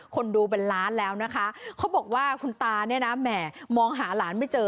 คนดูเป็นล้านแล้วนะคะเขาบอกว่าคุณตาเนี่ยนะแหม่มองหาหลานไม่เจอ